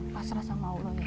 pasrah sama allah ya